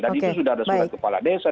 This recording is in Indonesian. dan itu sudah ada surat kepala desa